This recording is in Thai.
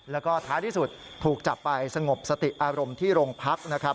แล้วก็ท้ายที่สุดถูกจับไปสงบสติอารมณ์ที่โรงพักนะครับ